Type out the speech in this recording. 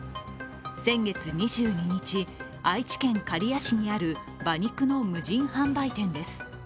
先月２２日、愛知県刈谷市にある馬肉の無人販売店です。